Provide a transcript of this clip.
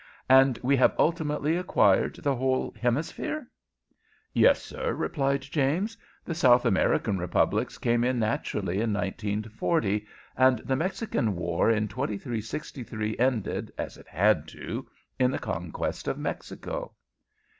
"And we have ultimately acquired the whole hemisphere?" "Yes, sir," replied James. "The South American republics came in naturally in 1940, and the Mexican War in 2363 ended, as it had to, in the conquest of Mexico."